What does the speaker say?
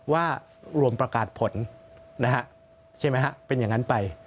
ว่ารวมประกาศผลนะฮะใช่ไหมฮะเป็นอย่างนั้นไป